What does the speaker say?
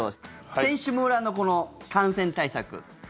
選手村の、この感染対策。